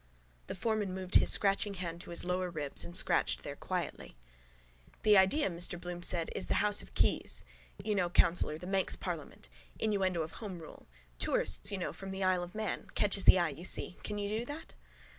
The foreman moved his scratching hand to his lower ribs and scratched there quietly. —The idea, Mr Bloom said, is the house of keys. You know, councillor, the Manx parliament. Innuendo of home rule. Tourists, you know, from the isle of Man. Catches the eye, you see. Can you do that?